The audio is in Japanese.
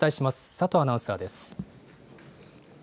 佐藤アナウンサーです。